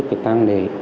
cái tăng này